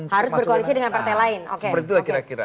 harus berkoalisi dengan partai lain